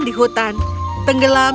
di hutan tenggelam